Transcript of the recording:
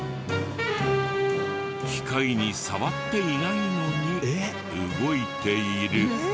機械に触っていないのに動いている。